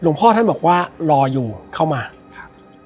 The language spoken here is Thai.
พ่อท่านบอกว่ารออยู่เข้ามาครับ